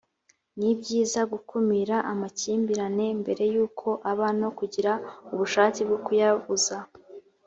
ni byiza gukumira amakimbirane mbere yuko aba no kugira ubushake bwo kuyabuza